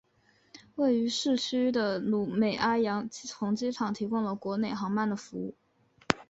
位于市区的努美阿洋红机场提供了国内航班的服务。